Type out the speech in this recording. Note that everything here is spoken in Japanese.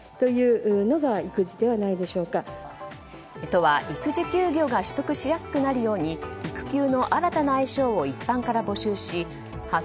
都は、育児休業が取得しやすくなるように育休の新たな愛称を一般から募集し８８２５